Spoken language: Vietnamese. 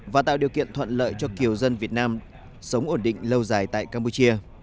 và tạo điều kiện thuận lợi cho kiều dân việt nam sống ổn định lâu dài tại campuchia